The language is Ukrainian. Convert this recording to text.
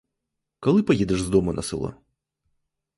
Коли поїдеш з дому на село?